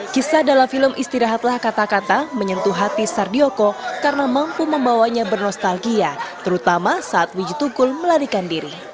kisah dalam film istirahatlah kata kata menyentuh hati sardioko karena mampu membawanya bernostalgia terutama saat wijitukul melarikan diri